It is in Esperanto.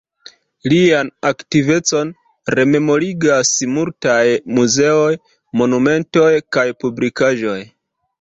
Lian aktivecon rememorigas multaj muzeoj, monumentoj kaj publikaĵoj.